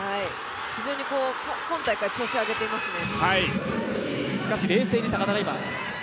非常に今大会調子を上げていますね。